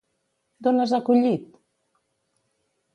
D'on les ha collit?